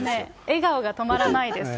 笑顔が止まらないです。